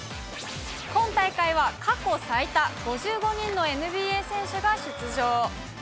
今大会は過去最多、５５人のＮＢＡ選手が出場。